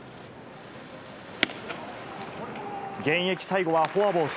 現役最後はフォアボール。